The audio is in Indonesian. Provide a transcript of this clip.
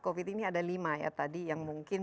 covid ini ada lima ya tadi yang mungkin